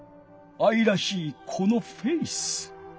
あいらしいこのフェース。